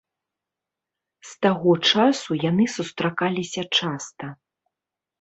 З таго часу яны сустракаліся часта.